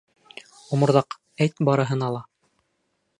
Оморҙаҡ, әйт барыһына ла!